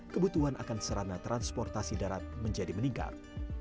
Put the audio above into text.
kebutuhan akan serana transportasi darat menjadi meningkat